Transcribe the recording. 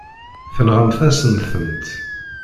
Tenɣamt-asen-tent.